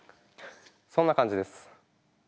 そんな感じです。